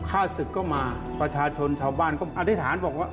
ฆ่าศึกก็มาประชาชนชาวบ้านก็อธิษฐานบอกว่า